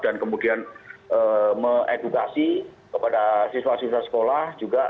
dan kemudian me edukasi kepada siswa siswa sekolah juga